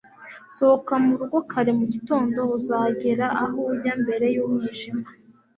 Sohoka mu rugo kare mu gitondo uzagera aho ujya mbere yumwijima